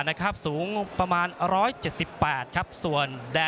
พี่น้องอ่ะพี่น้องอ่ะ